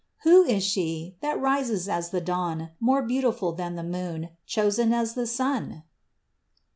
Who is She, that rises as the dawn, more beautiful than the moon, chosen as the sun?